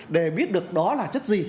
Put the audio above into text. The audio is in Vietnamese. để biết được đó là chất gì